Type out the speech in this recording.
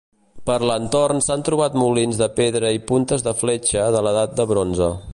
Per l'entorn s'han trobat molins de pedra i puntes de fletxa de l'Edat de Bronze.